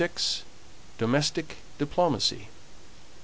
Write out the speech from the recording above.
DOMESTIC DIPLOMACY.